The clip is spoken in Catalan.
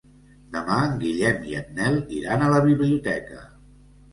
Demà en Guillem i en Nel iran a la biblioteca.